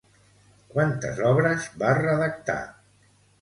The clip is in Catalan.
Quantes obres va redactar?